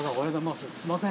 すみません。